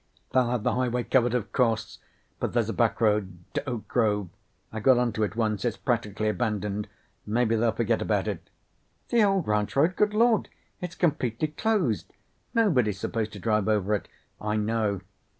"They'll have the highway covered, of course. But there's a back road. To Oak Grove. I got onto it once. It's practically abandoned. Maybe they'll forget about it." "The old Ranch Road? Good Lord it's completely closed. Nobody's supposed to drive over it." "I know."